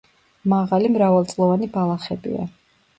მაღალი მრავალწლოვანი ბალახებია.